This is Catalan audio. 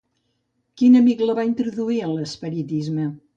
Quin amic la va introduir en l'espiritisme?